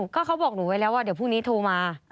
ก็เขาบอกหนูไว้แล้วว่าเดี๋ยวพรุ่งนี้โทรมา